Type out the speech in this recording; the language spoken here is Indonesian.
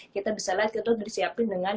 kita bisa lihat itu disiapin dengan